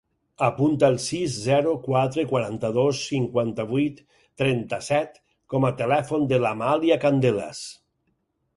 Apunta el sis, zero, quatre, quaranta-dos, cinquanta-vuit, trenta-set com a telèfon de l'Amàlia Candelas.